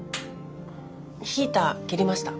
ヒーター切りました。